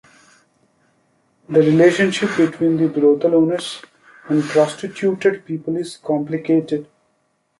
The relationship between brothel owners and prostituted people is complicated.